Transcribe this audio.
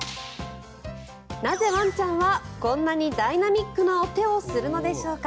なぜ、ワンちゃんはこんなにダイナミックなお手をするのでしょうか。